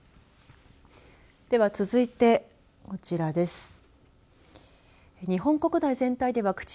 では、続いてこちらです。